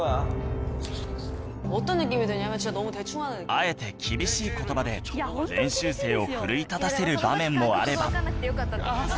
あえて厳しい言葉で練習生を奮い立たせる場面もあれば